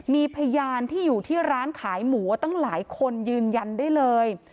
มีพยานที่อยู่ที่ร้านขายหมูตั้งหลายคนยืนยันได้เลย